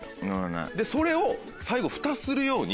それを最後ふたするように。